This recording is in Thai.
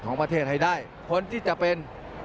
ของประเทศให้ได้คนที่จะเป็น